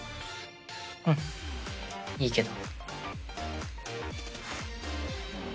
うんいいけど。